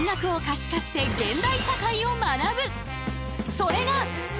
それが。